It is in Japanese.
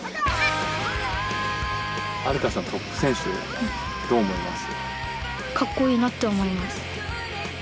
アルカスのトップ選手どう思います？